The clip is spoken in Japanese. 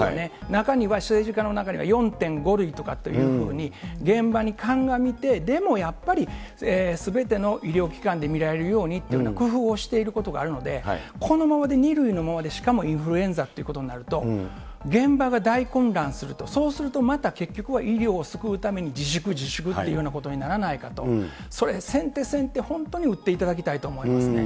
中には政治家の中には４．５類とかっていうふうに、現場にかんがみて、でもやっぱり、すべての医療機関で診られるようにというような工夫をしていることがあるので、このままで２類のままで、しかもインフルエンザということになると、現場は大混乱すると、そうすると、また結局は医療を救うために自粛自粛というようなことにならないかと、それ、先手先手、本当に打っていただきたいと思いますね。